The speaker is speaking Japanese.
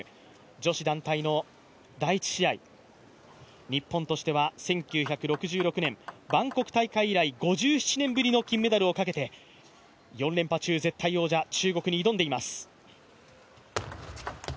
女子団体の第１試合日本としては１９６６年バンコク大会以来５７年ぶりの金メダルをかけて、４連覇中、絶対王者、中国に挑んでいます。